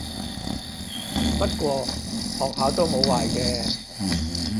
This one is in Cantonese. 不過學下都冇壞嘅